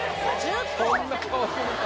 そんな顔するか？